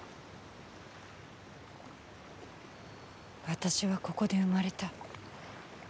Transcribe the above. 私はここで生まれた。